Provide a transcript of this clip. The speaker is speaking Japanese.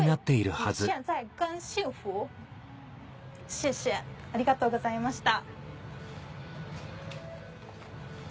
シエシエありがとうございました。